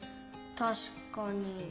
たしかに。